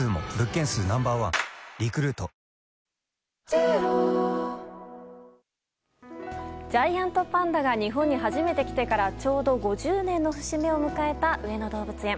ジャイアントパンダが日本に初めて来てからちょうど５０年の節目を迎えた上野動物園。